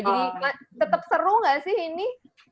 jadi tetap seru gak sih ini